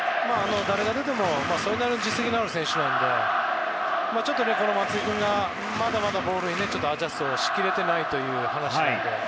誰が出てもそれなりの実績のある選手なのでちょっと松井君がまだまだボールにアジャストしきれてないという話なので。